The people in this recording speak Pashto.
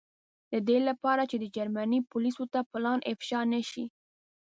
د دې له پاره چې د جرمني پولیسو ته پلان افشا نه شي.